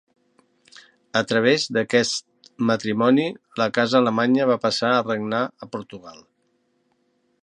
A través d'aquest matrimoni, la casa alemanya va passar a regnar a Portugal.